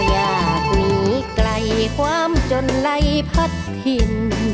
อยากหนีไกลความจนไล่พัดถิ่น